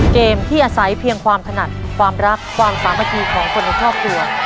เกมที่อาศัยเพียงความถนัดความรักความสามัคคีของคนในครอบครัว